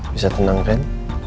bisa tenang ren